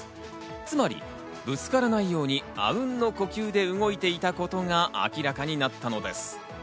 つまりぶつからないように、あうんの呼吸で動いていたことが明らかになったのです。